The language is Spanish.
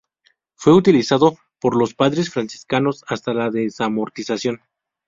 Fue utilizado por los padres franciscanos hasta la Desamortización.